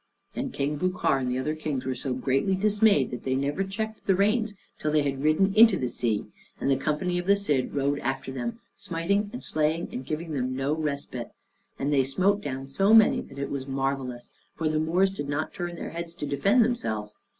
And King Bucar and the other kings were so greatly dismayed that they never checked the reins till they had ridden into the sea; and the company of the Cid rode after them, smiting and slaying and giving them no respite; and they smote down so many that it was marvelous, for the Moors did not turn their heads to defend themselves.